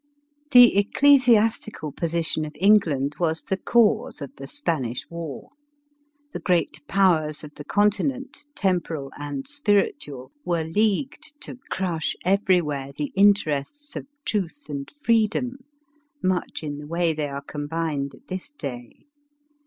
The ecclesiastical position of England was the cause of the Spanish war. The great powers of the conti nent, temporal and spiritual, were leagued to crush ELIZABETH OF ENGLAND. 313 everywhere the interests of truth and freedom, much in the way they are combined at this day.